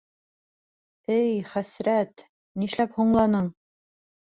— Эй, хәсрәт, нишләп һуңланың?